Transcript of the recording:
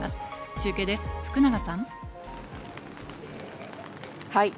中継です、福永さん。